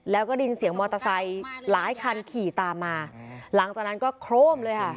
แล้วก็ได้ยินเสียงมอเตอร์ไซค์หลายคันขี่ตามมาหลังจากนั้นก็โครมเลยค่ะ